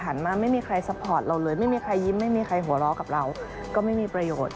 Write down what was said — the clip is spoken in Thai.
มาไม่มีใครซัพพอร์ตเราเลยไม่มีใครยิ้มไม่มีใครหัวเราะกับเราก็ไม่มีประโยชน์